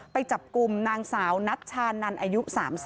ไปจับกลุ่มนางสาวนัชชานันอายุ๓๐